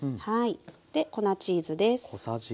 で粉チーズです。